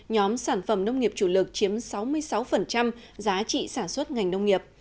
nhóm sản phẩm nông nghiệp chủ lực chiếm sáu mươi sáu giá trị sản xuất ngành nông nghiệp